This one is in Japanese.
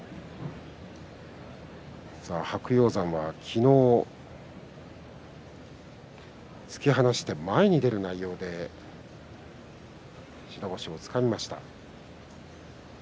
白鷹山は昨日、突き放して前に出る内容で白星をつかんでいます。